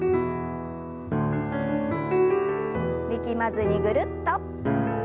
力まずにぐるっと。